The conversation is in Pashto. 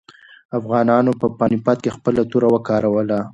افغانانو په پاني پت کې خپله توره وکاروله.